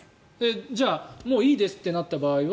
じゃあもういいですとなった場合は？